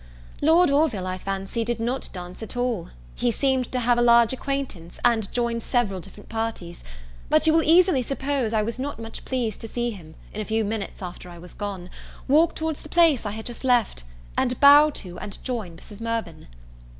Lord Orville, I fancy, did not dance at all. He seemed to have a large acquaintance, and joined several different parties: but you will easily suppose, I was not much pleased to see him, in a few minutes after I was gone, walk towards the place I had just left, and bow to and join Mrs. Mirvan!